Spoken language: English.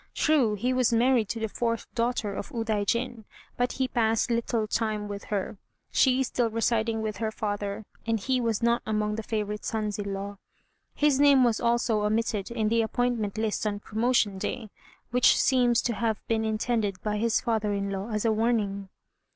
True, he was married to the fourth daughter of Udaijin; but he passed little time with her, she still residing with her father, and he was not among the favorite sons in law. His name was also omitted in the appointment list on promotion day, which seems to have been intended by his father in law as a warning.